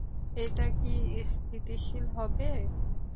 এটা কি স্থিতিশীল হবে?